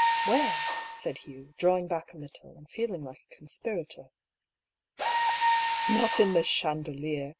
"Where?" said Hugh, drawing back a little, and feeling like a conspirator. "Not in the chandelier!